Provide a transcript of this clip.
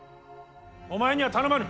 お前には頼まぬ。